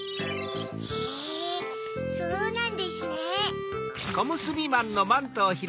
へぇそうなんでしゅね。